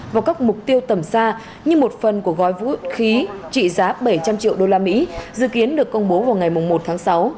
vào các mục tiêu tầm xa như một phần của gói vũ khí trị giá bảy trăm linh triệu usd dự kiến được công bố vào ngày một tháng sáu